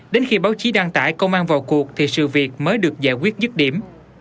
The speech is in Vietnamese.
đến khi báo chí đăng tải công an vào cuộc thì sự việc mới được giải quyết dứt điểm